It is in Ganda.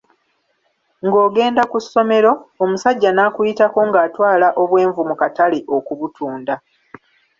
Ng'ogenda ku ssomero, omusajja n'akuyitako ng'atwala obwenvu mu katale okubutunda.